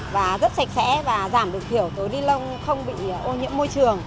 và rất sạch sẽ và giảm được hiểu túi ni lông không bị ô nhiễm môi trường